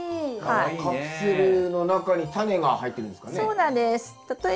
カプセルの中にタネが入ってるんですかね。